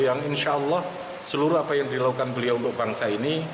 yang insya allah seluruh apa yang dilakukan beliau untuk bangsa ini